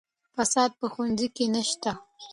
فساد په ښوونځي کې نشته.